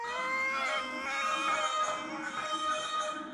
ფრინველებიდან ბინადრობს თეთრი და შავი ყარყატი, ბეგობის არწივი, ბარი, ძერა და სხვა.